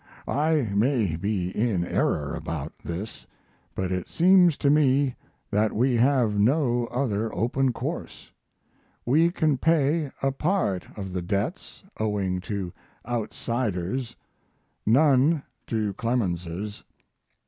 I may be in error about this, but it seems to me that we have no other course open. We can pay a part of the debts owing to outsiders none to Clemenses.